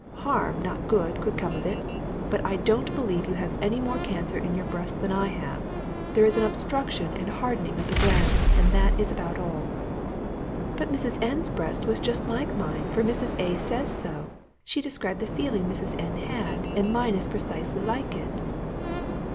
Harm, not good, could come of it. But I don't believe you have any more cancer in your breast than I have. There is an obstruction and hardening of the glands, and that is about all." "But Mrs. N 's breast was just like mine, for Mrs. A says so. She described the feeling Mrs. N had, and mine is precisely like it."